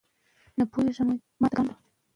موږ ټول د یوې ښې ټولنې د جوړولو مسوولیت لرو.